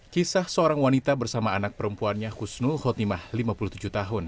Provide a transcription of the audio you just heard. kisah seorang wanita bersama anak perempuannya husnul khotimah lima puluh tujuh tahun